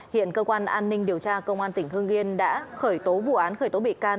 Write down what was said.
hiện cơ quan an ninh điều tra công an tp hcm đã khởi tố vụ án khởi tố bị can